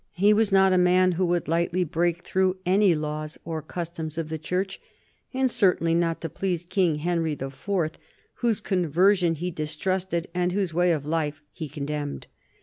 He was not a man who would lightly break through any laws or customs of the Church, and certainly not to please King Henry IV., whose conversion he distrusted and whose way of life he condemned.